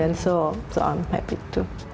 jadi saya juga senang